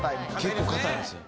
結構硬いんですよ。